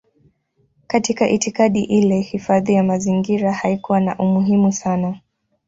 Katika itikadi ile hifadhi ya mazingira haikuwa na umuhimu sana.